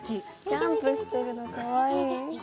ジャンプしてるのかわいい。